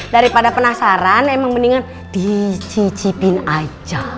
daripada penasaran emang mendingan dicicipin aja